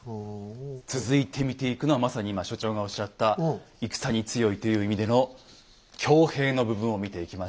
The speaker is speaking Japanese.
続いて見ていくのはまさに今所長がおっしゃった「戦に強い」という意味での「強兵」の部分を見ていきましょうはい。